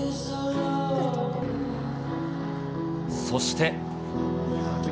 そして。